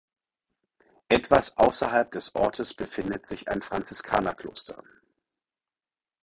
Etwas außerhalb des Ortes befindet sich ein Franziskanerkloster.